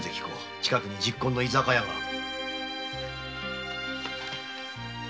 近くに昵懇の居酒屋がある。